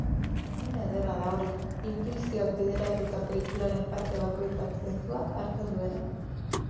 Une ederra da hori, intuizioak bideratuta pelikularen parte bakoitzak zentzua hartzen duenean.